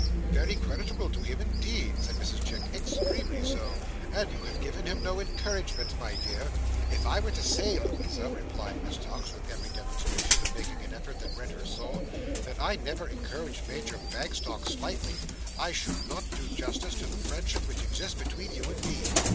"Very creditable to him indeed," said Mrs Chick, "extremely so; and you have given him no encouragement, my dear?" "If I were to say, Louisa," replied Miss Tox, with every demonstration of making an effort that rent her soul, "that I never encouraged Major Bagstock slightly, I should not do justice to the friendship which exists between you and me.